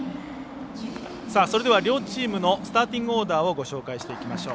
それでは両チームのスターティングオーダーをご紹介していきましょう。